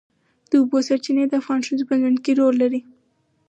د اوبو سرچینې د افغان ښځو په ژوند کې رول لري.